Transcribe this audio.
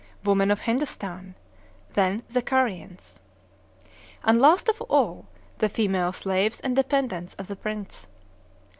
Women of Hindostan. Then the Kariens. And, last of all, the female slaves and dependants of the prince.